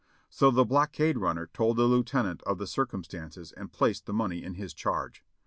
So the blockade runner told the lieutenant of the circumstances and placed the money in his charge.